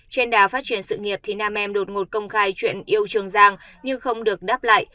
trên đà phát triển sự nghiệp thì nam em đột ngột công khai chuyện yêu trường giang nhưng không được đáp lại